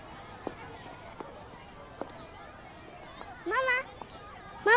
ママ。